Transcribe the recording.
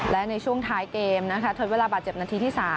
และในช่วงท้ายเกมนะคะทดเวลาบาดเจ็บนาทีที่๓